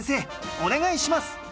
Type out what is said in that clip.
お願いします。